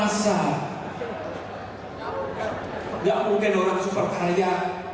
tidak mungkin orang super kaya